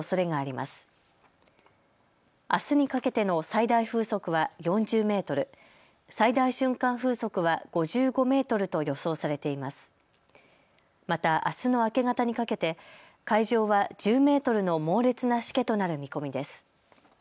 また、あすの明け方にかけて海上は１０メートルの猛烈なしけとなる見込みです。